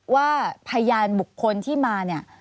ว่าพยานบุคคลที่มาเนี่ย